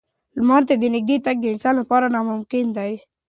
لمر ته نږدې تګ د انسان لپاره ناممکن دی.